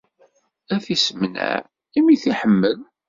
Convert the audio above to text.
Ad t-issemneɛ, imi i t-iḥemmel!